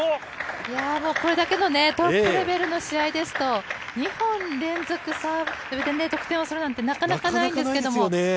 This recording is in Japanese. これだけのトップレベルの試合ですと、２本連続サーブで得点をするなんて、なかなかないんですけれども。